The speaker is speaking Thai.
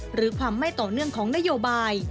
หรือความไม่ต่อเนื่องของนโยบาย